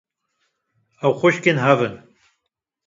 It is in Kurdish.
Ew xwişkên hev in